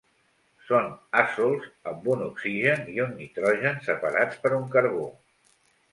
Són azols amb un oxigen i un nitrogen separats per un carbó.